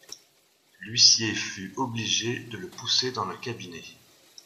L'huissier fut obligé de le pousser dans le cabinet.